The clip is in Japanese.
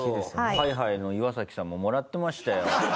Ｈｉ−Ｈｉの岩崎さんももらってましたよ。